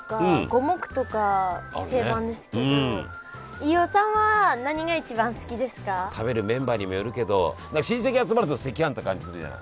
飯尾さんは食べるメンバーにもよるけど親戚集まると赤飯って感じするじゃない？